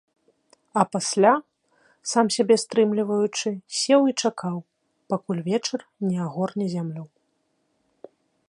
А пасля, сам сябе стрымліваючы, сеў і чакаў, пакуль вечар не агорне зямлю.